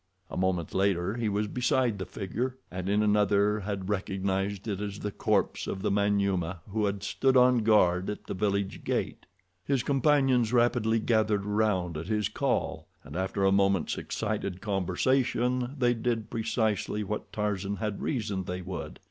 A moment later he was beside the figure, and in another had recognized it as the corpse of the Manyuema who had stood on guard at the village gate. His companions rapidly gathered around at his call, and after a moment's excited conversation they did precisely what Tarzan had reasoned they would.